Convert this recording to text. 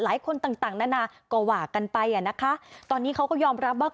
ต่างต่างนานาก็ว่ากันไปอ่ะนะคะตอนนี้เขาก็ยอมรับว่า